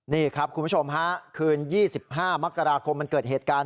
นี่ครับคุณผู้ชมฮะคืน๒๕มกราคมมันเกิดเหตุการณ์